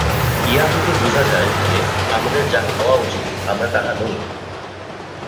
ইহা হইতে বুঝা যায় যে, আমাদের যাহা হওয়া উচিত, আমরা তাহা নই।